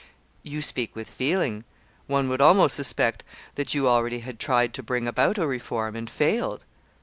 "You speak with feeling. One would almost suspect that you already had tried to bring about a reform and failed.